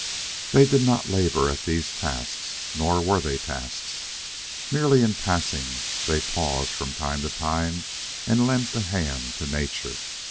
They did not labor at these tasks. Nor were they tasks. Merely in passing, they paused, from time to time, and lent a hand to nature.